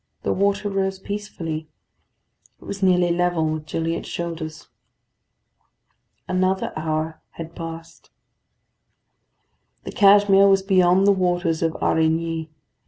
The water rose peacefully. It was nearly level with Gilliatt's shoulders. Another hour had passed. The Cashmere was beyond the waters of Aurigny.